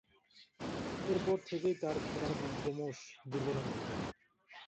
এর পর থেকেই তার খেলার মান ক্রমশঃ দূর্বলতর হতে থাকে।